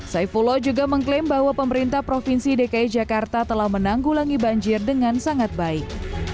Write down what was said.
saifullah juga mengklaim bahwa pemerintah provinsi dki jakarta telah menanggulangi banjir dengan sangat baik